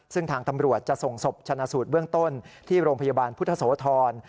ซึ่งทางตำรวจจะส่งศพชนะสูตรเบื้องต้นที่โรงพยาบาลพุทธโสธร